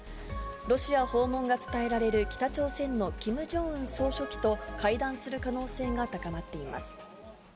ロシア訪問が伝えられる北朝鮮のキム・ジョンウン総書記と会談する可能性が高まっています。